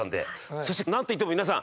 そしてなんといっても皆さん